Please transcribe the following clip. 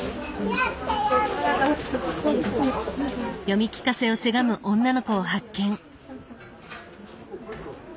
読み聞かせをせがむ女の子を発見。